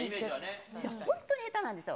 私、本当に下手なんですよ。